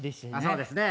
そうですね